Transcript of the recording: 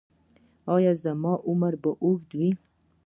ایا زما عمر به اوږد وي؟